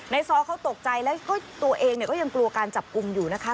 ซ้อเขาตกใจแล้วก็ตัวเองก็ยังกลัวการจับกลุ่มอยู่นะคะ